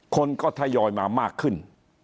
คนก็ทยอยมามากขึ้น